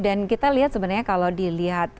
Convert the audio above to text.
dan kita lihat sebenarnya kalau dilihat